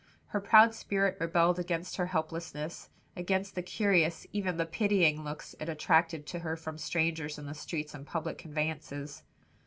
Her proud spirit rebelled against her helplessness, against the curious, even the pitying looks it attracted to her from strangers in the streets and public conveyances.